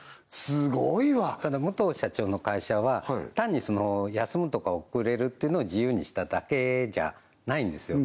スゴいわただ武藤社長の会社は単に休むとか遅れるっていうのを自由にしただけじゃないんですよ